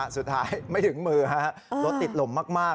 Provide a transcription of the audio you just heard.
สุดท้ายไม่ถึงมือฮะรถติดลมมาก